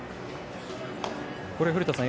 古田さん